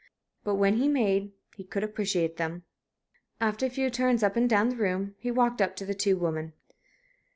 But, when made, he could appreciate them. After a few turns up and down the room, he walked up to the two women.